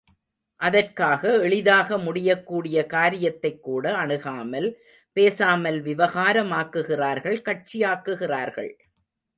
அதற்காக எளிதாக முடியக்கூடிய காரியத்தைக்கூட அணுகாமல், பேசாமல் விவகாரமாக்குகிறார்கள் கட்சியாக்குகிறார்கள்.